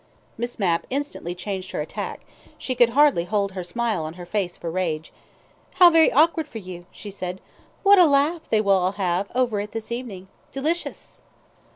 Miss Mapp instantly changed her attack: she could hardly hold her smile on to her face for rage. "How very awkward for you," she said. "What a laugh they will all have over it this evening! Delicious!"